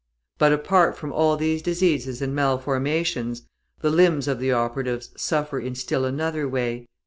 But apart from all these diseases and malformations, the limbs of the operatives suffer in still another way.